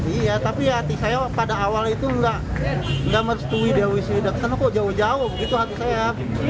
iya tapi hati saya pada awal itu nggak mesti wisuda karena kok jauh jauh begitu hati saya